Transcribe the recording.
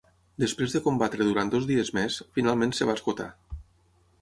Després de combatre durant dos dies més, finalment es va esgotar.